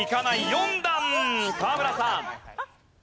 ４段！河村さん。